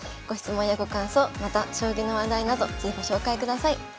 ご質問やご感想また将棋の話題など是非ご紹介ください。